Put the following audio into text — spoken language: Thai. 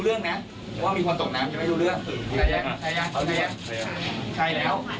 เป็นผมก็ต้องเข้าใจนะ